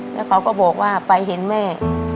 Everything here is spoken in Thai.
แล้วเขาก็บอกว่าไปเห็นแม่